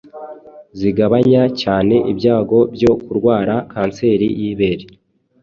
zigabanya cyane ibyago byo kurwara kanseri y’ibere,